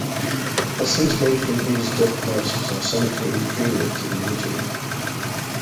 Pressings made from these dubbed masters are sonically inferior to the originals.